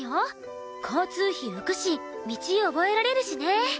交通費浮くし道覚えられるしね。